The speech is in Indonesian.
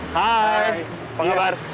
hai apa kabar